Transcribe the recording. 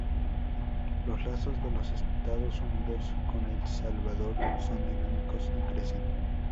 Los lazos de los Estados Unidos con El Salvador son dinámicos y crecen.